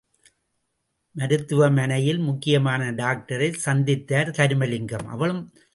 மருத்துவ மனையில் முக்கியமான டாக்டரை சநதித்தார் தருமலிங்கம்.